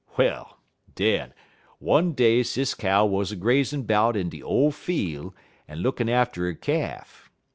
Well, den, one day Sis Cow wuz a grazin' 'bout in de ole fiel' en lookin' atter her calf.